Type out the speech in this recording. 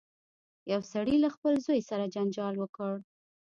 یو سړي له خپل زوی سره جنجال وکړ.